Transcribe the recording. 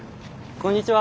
こんにちは。